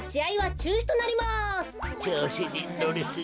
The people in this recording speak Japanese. ちょうしにのりすぎた。